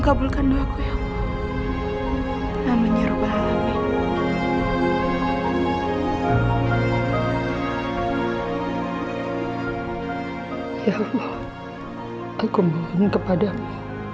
ya allah aku memohon kepadamu